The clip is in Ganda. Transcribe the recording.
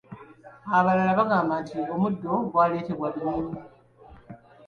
Abalala bagamba nti omuddo gwaleetebwa binyonyi.